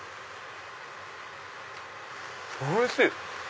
おいしい！